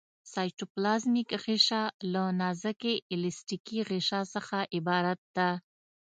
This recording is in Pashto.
سایټوپلازمیک غشا له نازکې الستیکي غشا څخه عبارت ده.